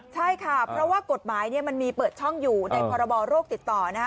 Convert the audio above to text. ใช่ค่ะเพราะว่ากฎหมายมันมีเปิดช่องอยู่ในพรบโรคติดต่อ